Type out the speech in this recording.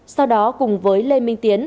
sau đó cùng với lê minh tiến